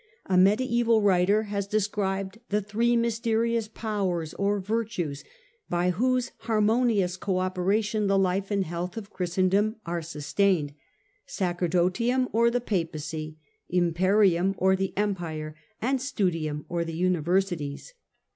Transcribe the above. A niediseval writer has described the three mysterious powers or virtues by whose harmonious co operation the life and health of Christendom are sustained : Sacer dotium, or the Papacy ; Imperium, or the Empire ; and StucUum, or the Universities.